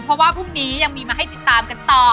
เพราะว่าพรุ่งนี้ยังมีมาให้ติดตามกันต่อ